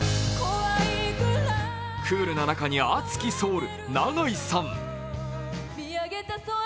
クールな中に熱きソウル、永井さん